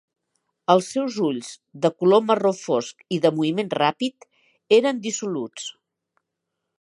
Els seus ulls, de color marró fosc i de moviment ràpid, eren dissoluts.